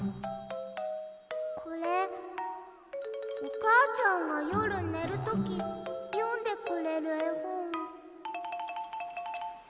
これおかあちゃんがよるねるときよんでくれるえほん。